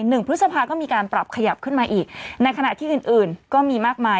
พฤษภาก็มีการปรับขยับขึ้นมาอีกในขณะที่อื่นอื่นก็มีมากมาย